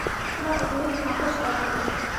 তোমার অনুরোধ নাকোচ করা হল!